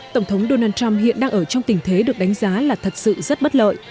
tổng thống donald trump hiện đang ở trong tình thế được đánh giá là thật sự rất bất lợi